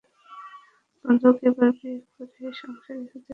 বন্ধুকে এবার বিয়ে করে সংসারী হতে বলছেন দ্য রিডার তারকা কেট।